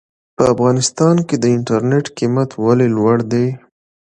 په افغانستان کې د انټرنېټ قيمت ولې لوړ دی ؟